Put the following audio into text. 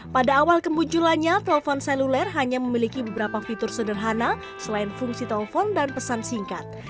pada awal kemunculannya telepon seluler hanya memiliki beberapa fitur sederhana selain fungsi telepon dan pesan singkat